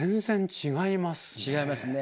違いますね。